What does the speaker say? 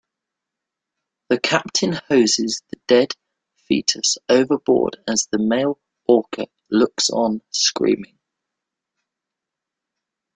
The captain hoses the dead fetus overboard as the male orca looks on screaming.